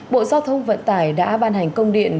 bộ giao thông vận tải đã ban hành công điện